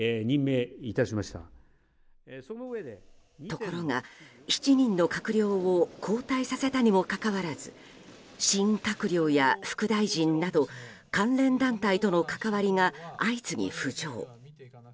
ところが、７人の閣僚を交代させたにもかかわらず新閣僚や副大臣など関連団体との関わりが相次ぎ浮上。